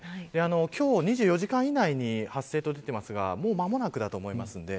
今日２４時間以内に発生と出ていますがもう間もなくだと思います。